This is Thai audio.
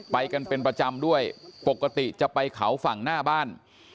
ไปกันเป็นประจำด้วยปกติจะไปเขาฝั่งหน้าบ้าน